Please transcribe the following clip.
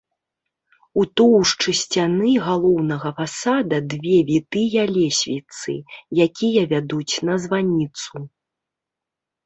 У тоўшчы сцяны галоўнага фасада две вітыя лесвіцы, якія вядуць на званіцу.